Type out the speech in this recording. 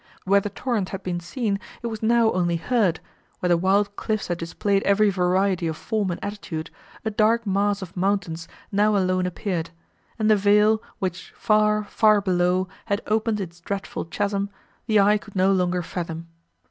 Where the torrent had been seen, it was now only heard; where the wild cliffs had displayed every variety of form and attitude, a dark mass of mountains now alone appeared; and the vale, which far, far below had opened its dreadful chasm, the eye could no longer fathom.